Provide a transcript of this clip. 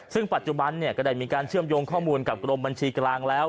ซึ่งปัจจุบันก็ได้มีการเชื่อมโยงข้อมูลกับกรมบัญชีกลางแล้ว